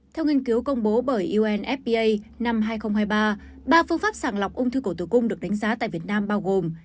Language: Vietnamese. theo nghiên cứu công bố bởi unfpa năm hai nghìn hai mươi ba ba phương pháp sàng lọc ung thư cổ tử cung được đánh giá tại việt nam bao gồm